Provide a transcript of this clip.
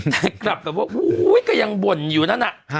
ได้กลับแบบว่าหูยยยยยยยยยยยก็ยังบ่นอย่างนั้นน่ะ